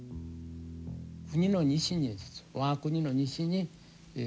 国の西に我が国の西にええ